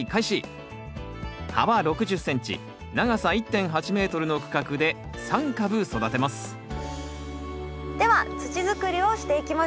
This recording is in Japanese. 幅６０ｃｍ長さ１．８ｍの区画で３株育てますでは土づくりをしていきましょう。